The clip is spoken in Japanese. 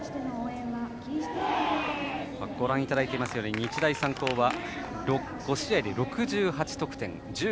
ご覧いただいていますように日大三高は５試合で６８得点。